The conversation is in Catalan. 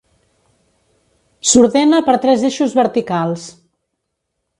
S'ordena per tres eixos verticals.